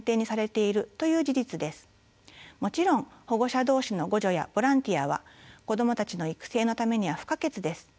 もちろん保護者同士の互助やボランティアは子どもたちの育成のためには不可欠です。